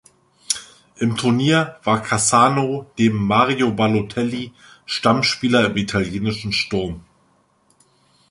Im Turnier war Cassano neben Mario Balotelli Stammspieler im italienischen Sturm.